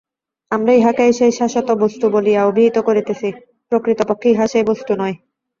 আমরা ইহাকেই সেই শাশ্বত বস্তু বলিয়া অভিহিত করিতেছি, প্রকৃতপক্ষে ইহা সেই বস্তু নয়।